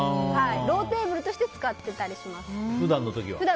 ローテーブルとして使ってたりします。